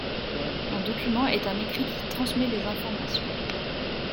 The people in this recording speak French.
Un document est un écrit qui transmet des informations.